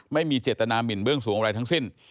ไม่มีเจตนามินเบื้องสูงอะไรทั้งสิ้น